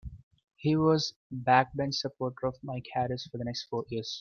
He was a backbench supporter of Mike Harris for the next four years.